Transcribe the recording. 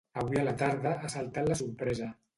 Avui a la tarda ha saltat la sorpresa.